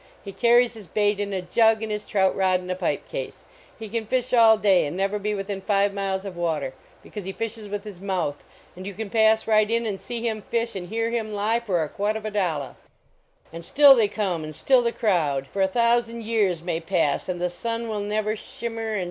He carries his bait in a jug, and his trout rod in a pipe case ; he can fish all day and never be within five mik s of water, because he fishes with his mouth, 174 THE OLD ROAD SHOW and you can pass right in and sec him fish and hoar him lie for a quatovadollah. And still they come and still they crowd ! For a thousand years may pa>< and the sun will never shimmer and